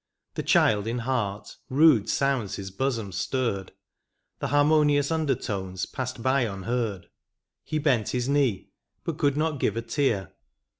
The child in heart, rude sounds his hosom stirred, The harmonious under tones passed by unheard, He bent his knee, but could not give a tear.